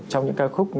trong những ca khúc